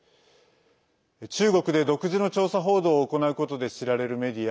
中国で独自の調査報道を行うことで知られるメディア